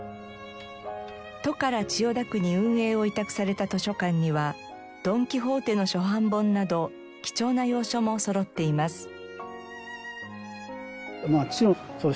都から千代田区に運営を委託された図書館には『ドン・キホーテ』の初版本など貴重な洋書もそろっています。